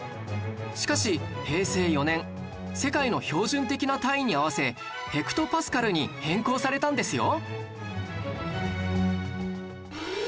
しかし平成４年世界の標準的な単位に合わせヘクトパスカルに変更されたんですよ